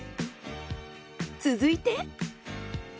続いて。